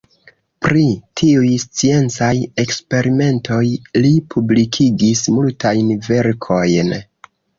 Pri tiuj sciencaj eksperimentoj li publikigis multajn verkojn.